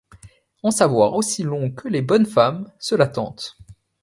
En savoir aussi long que les bonnes femmes, cela tente.